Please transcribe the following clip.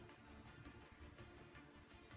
saya menyesal saya ingin berhenti